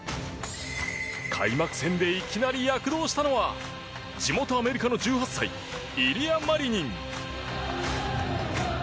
開幕戦でいきなり躍動したのは地元アメリカの１８歳イリア・マリニン。